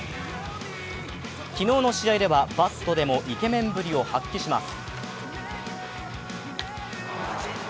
昨日の試合ではバットでもイケメンぶりを発揮します。